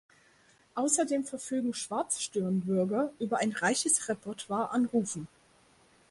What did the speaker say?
Außerdem verfügen Schwarzstirnwürger über ein reiches Repertoire an Rufen.